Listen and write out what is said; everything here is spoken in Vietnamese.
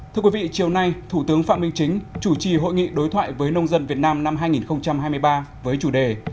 thưa quý vị chiều nay thủ tướng phạm minh chính chủ trì hội nghị đối thoại với nông dân việt nam năm hai nghìn hai mươi ba với chủ đề